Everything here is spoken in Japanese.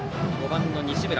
５番の西村。